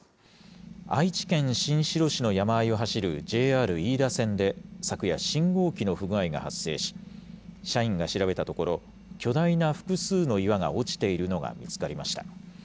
愛知県新城市の山あいを走るＪＲ飯田線で昨夜、信号機の不具合が発生し、社員が調べたところ、巨大な複数の岩が落ちているのが見つかりました。